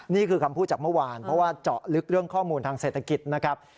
นี่คือคำพูดจากเมื่อวานเพราะว่าเจาะลึกเรื่องข้อมูลทางเศรษฐกิจนะครับ